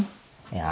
いや。